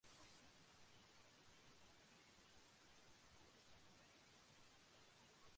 বিশেষ করিয়া এইজন্যই অল্প পরিচয়েই বিনয় তাঁহার নিকট আত্মীয়ের স্থান লাভ করিল।